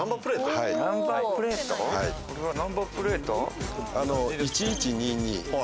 ナンバープレート、１１ー２２。